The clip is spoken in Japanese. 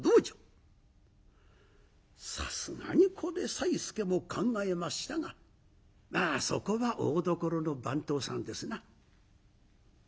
さすがにこれさいすけも考えましたがまあそこは大どころの番頭さんですな。